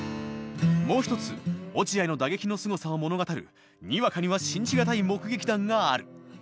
もう一つ落合の打撃のすごさを物語るにわかには信じ難い目撃談がある。